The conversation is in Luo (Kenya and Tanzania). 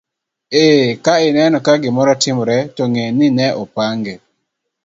Ee, ka ineno ka gimoro timore to ng'e ni ne opange.